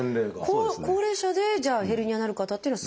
高齢者でじゃあヘルニアになる方っていうのは少ないんですか？